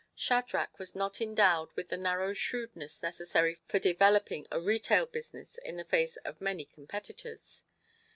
Shadrach was not endowed with the narrow shrewdness necessary for developing a retail business in the face of many competitors.